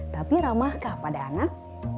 tapi ramahkah pada anak